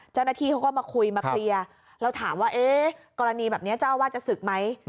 เจ้าหน้าที่เขาก็มาคุยมาเคลียร์แล้วถามว่าเอ๊ะกรณีแบบนี้เจ้าอาวาสจะศึกไหม